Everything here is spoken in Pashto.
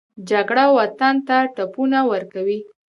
جګړه وطن ته ټپونه ورکوي